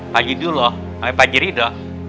pak haji duloh sama pak haji ridho